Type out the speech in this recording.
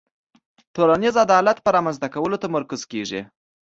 ټولنیز عدالت په رامنځته کولو تمرکز کیږي.